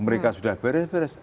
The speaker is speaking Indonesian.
mereka sudah beres beres